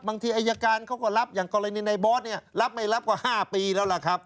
บางทีอายการเขาก็รับอย่างกรณีในบอสเนี่ยรับไม่รับก็๕ปีแล้วล่ะครับ